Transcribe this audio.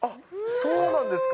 そうなんですか？